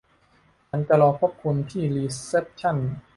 ฉันจะรอพบคุณที่รีเซ็ปชั่น